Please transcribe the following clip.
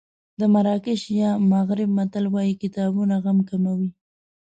د مراکش یا مغرب متل وایي کتابونه غم کموي.